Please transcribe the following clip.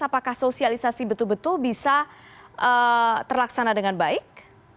apakah sosialisasi betul betul bisa terlaksana dengan baik